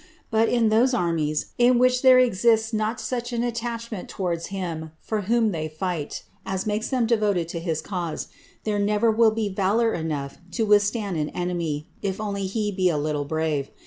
But in those armies in which there exists not such an attachment towards him for whom they fight as makes them devoted to his cause, there never will be valour enough to withstand an enemy if only he be a little brave.